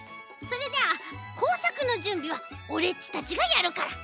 それじゃあこうさくのじゅんびはおれっちたちがやるから。